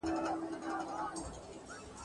چي تر شمېر او تر حساب یې تېر سي مړي !.